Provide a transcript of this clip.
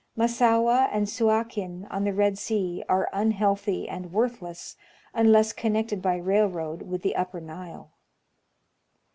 Massaua and Suakin, on the Red Sea, are unhealthy and worth less, unless connected by railroad with the upper Nile.